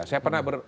saya pernah ber